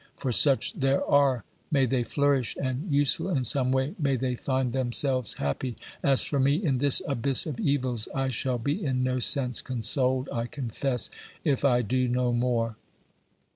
For such there are ; may they flourish and, useful in some way, may they find themselves happy ! As for me, in this abyss of evils, I shall be in no sense consoled, I confess, if I do no more.